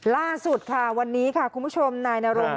ล่าสุดค่ะวันนี้คุณผู้ชมนายหนารมอุ้นซิล